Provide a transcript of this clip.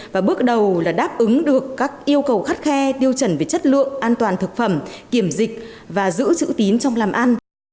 và bước đầu là đáp ứng được các yêu cầu khắt khe tiêu chuẩn về chất lượng an toàn thực phẩm kiểm dịch và giữ chữ tín trong làm ăn